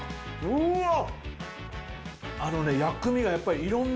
うわっ！